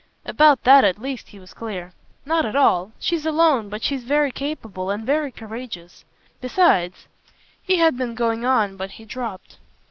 About that at least he was clear. "Not at all. She's alone, but she's very capable and very courageous. Besides !" He had been going on, but he dropped.